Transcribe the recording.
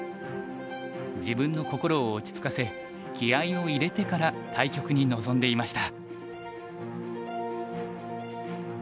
自分の心を落ち着かせ気合いを入れてから対局に臨んでいました。